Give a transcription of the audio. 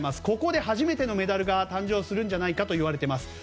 ここで初めてのメダルが誕生するんじゃないかと言われています。